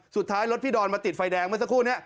สุดท้ายรถพี่ดอนมาติดไฟแดงเมื่อสักครู่นี้